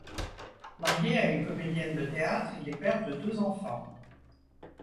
Marié à une comédienne de théâtre, il est père de deux enfants.